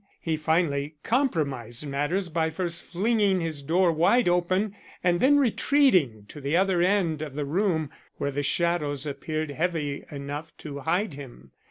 He finally compromised matters by first flinging his door wide open and then retreating to the other end of the room where the shadows appeared heavy enough to hide him.